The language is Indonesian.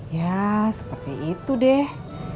ya seperti itu deh